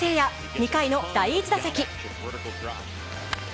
２回の第１打席。